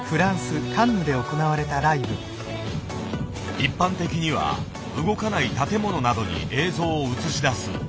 一般的には動かない建物などに映像を映し出す。